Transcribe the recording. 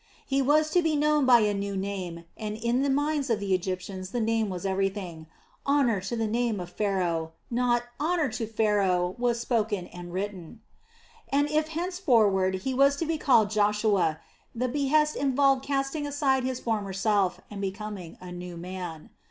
He was to be known by a new name, and in the minds of the Egyptians the name was everything "Honor to the name of Pharaoh," not "Honor to Tharaoh" was spoken and written. And if henceforward he was to be called Joshua, the behest involved casting aside his former self, and becoming a new man.